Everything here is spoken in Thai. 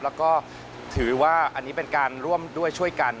แล้วก็ถือว่าอันนี้เป็นการร่วมด้วยช่วยกัน